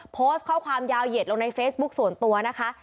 โพสต์ข้อความยาวเหยียดลงในเฟซบุ๊คส่วนตัวนะคะ